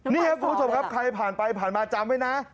นี่ครับคุณผู้ชมครับใครผ่านไปผ่านมาจำไว้นะ